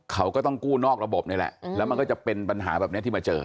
เขาก็ต้องกู้นอกระบบนี่แหละแล้วมันก็จะเป็นปัญหาแบบนี้ที่มาเจอ